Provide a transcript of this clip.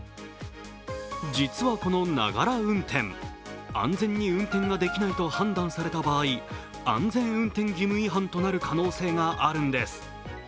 実はこの、ながら運転、安全に運転ができないと判断された場合、安全運転義務違反となる可能性があるんです。